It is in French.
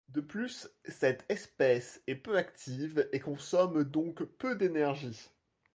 De plus cette espèce est peu active et consomme donc peu d'énergie.